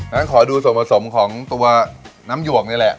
นานขอดูสมสมของตัวน้ำหยวกนี่แหละ